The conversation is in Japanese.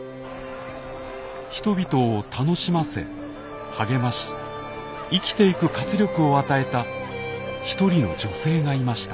人々を楽しませ励まし生きていく活力を与えた一人の女性がいました。